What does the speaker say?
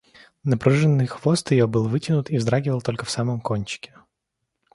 Напруженный хвост ее был вытянут и вздрагивал только в самом кончике.